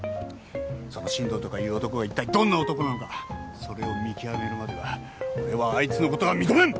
その新藤とかいう男が一体どんな男なのかそれを見極めるまでは俺はあいつのことは認めん！